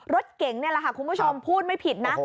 รถเก๋งนี่แหละค่ะคุณผู้ชมพูดไม่ผิดนะ